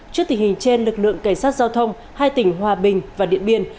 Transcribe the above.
trước tình hình trên lực lượng cảnh sát giao thông hai tỉnh hòa bình và điện biên